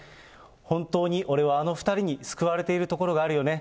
本当に俺はあの２人に救われているところがあるよね。